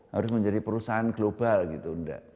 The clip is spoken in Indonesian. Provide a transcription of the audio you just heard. harus menjadi perusahaan global gitu enggak